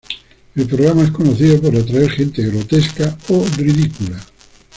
El programa es conocido por atraer gente grotesca o ridícula.